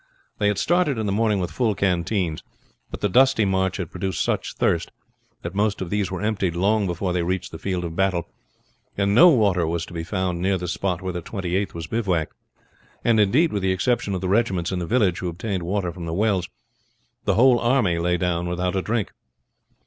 They had started in the morning with full canteens, but the dusty march had produced such thirst that most of these were emptied long before they reached the field of battle; and no water was to be found near the spot where the Twenty eighth were bivouacked, and indeed with the exception of the regiments in the village, who obtained water from the wells, the whole army lay down without a drink.